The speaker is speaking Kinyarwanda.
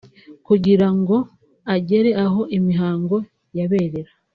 Kugira ngo agere aho imihango yaberara